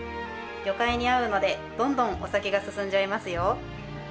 魚介に合うのでどんどんお酒が進んじゃいますよ